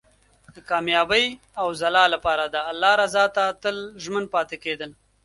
د کامیابۍ او ځلا لپاره د الله رضا ته تل ژمن پاتې کېدل.